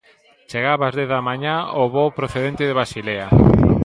Chegaba ás dez da mañá o voo procedente de Basilea.